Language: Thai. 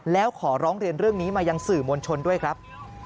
แล้วขอร้องเรียนเรื่องนี้มายังสื่อมวลชนด้วยครับ